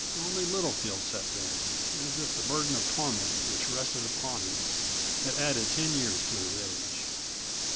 Only Littlefield sat down, as if the burden of torment which rested upon him had added ten years to his age.